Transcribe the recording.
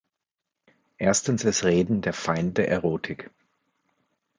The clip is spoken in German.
Erstens ist Reden der Feind der Erotik.